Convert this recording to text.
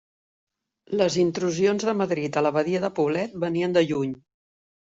Les intrusions de Madrid a l'Abadia de Poblet venien de lluny.